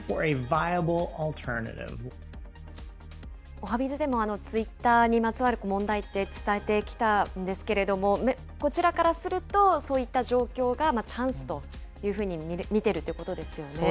おはＢｉｚでもツイッターにまつわる問題って、伝えてきたんですけれども、こちらからすると、そういった状況がチャンスというふうに見てるということですよね。